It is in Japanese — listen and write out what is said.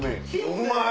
うまい！